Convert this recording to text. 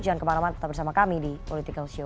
jangan kemarauan tetap bersama kami di political show